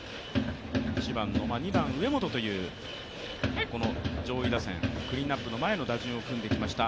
１番・野間、２番・上本という上位打線クリーンアップの前の打順にしてきました